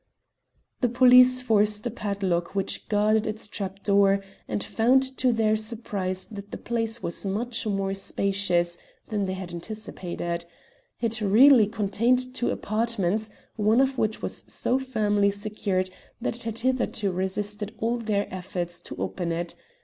The police forced a padlock which guarded its trap door, and found to their surprise that the place was much more spacious than they anticipated. It really contained two apartments, one of which was so firmly secured that it had hitherto resisted all their efforts to open it.